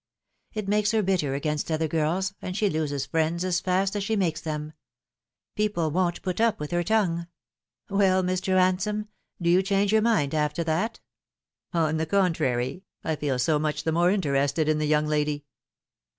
It makes her bitter against other girls, and she loses friends as fast as fhe makes them. People won't put up with her tongue. Well, Mr. Kansome, do you change your mind after that ?"" On the contrary, I feel so much the more interested in the yowng lady."